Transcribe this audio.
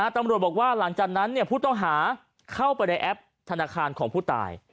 ตำรวจบอกว่าหลังจากนั้นผู้ต้องหาเข้าไปในแอปธนาคารของผู้ตาย